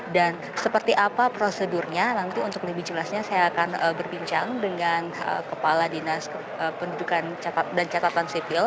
dan seperti apa prosedurnya nanti untuk lebih jelasnya saya akan berbincang dengan kepala dinas pendudukan dan catatan sipil